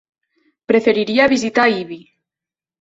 Preferiria visitar Ibi.